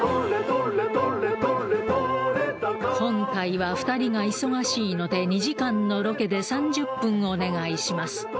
今回は２人が忙しいので２時間のロケで３０分お願いします